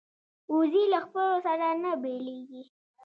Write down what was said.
وزې له خپلو سره نه بیلېږي